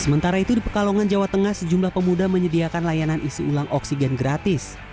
sementara itu di pekalongan jawa tengah sejumlah pemuda menyediakan layanan isi ulang oksigen gratis